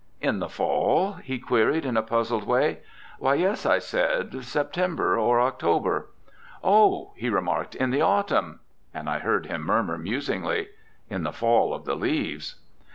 "In the fall?" he queried in a puzzled way. "Why, yes," I said; "September or October." "Oh," he remarked, "in the autumn." And I heard him murmur musingly, "In the fall of the leaves."